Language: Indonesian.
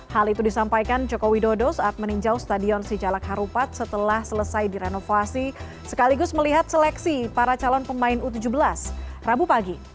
hal itu disampaikan joko widodo saat meninjau stadion sijalak harupat setelah selesai direnovasi sekaligus melihat seleksi para calon pemain u tujuh belas rabu pagi